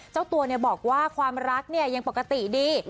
เจ้าตัวบอกว่าความรักเนี่ยยังปกติดี